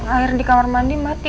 air di kamar mandi mati